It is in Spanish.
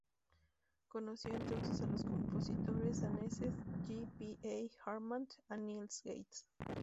Conoció entonces a los compositores daneses J. P. E. Hartman y Niels Gade.